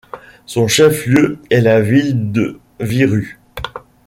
Son chef-lieu est la ville de Virú.